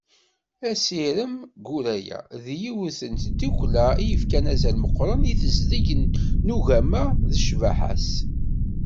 Asirem Guraya d yiwet n tdukkla i yefkan azal meqqren i tezdeg n ugama d ccbaḥa-s.